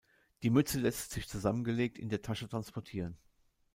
Die Mütze lässt sich zusammengelegt in der Tasche transportieren.